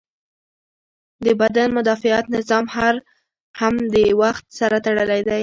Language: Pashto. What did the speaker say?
د بدن مدافعت نظام هم د وخت سره تړلی دی.